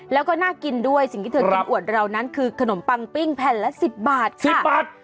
แล้วก็น่ากินด้วยสิ่งที่เธอกินอวดเรานั้นคือขนมปังปิ้งแผ่นละ๑๐บาทค่ะ๑๐บาท